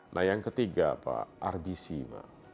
nah yang ketiga pak rbc pak